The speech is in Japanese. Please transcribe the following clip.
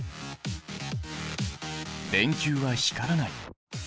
電球は光らない。